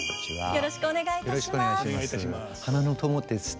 よろしくお願いします。